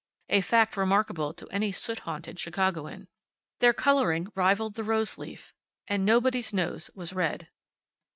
(A fact remarkable to any soot haunted Chicagoan.) Their coloring rivaled the rose leaf. And nobody's nose was red.